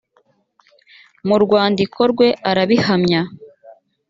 mu rwandiko rwe arabihamya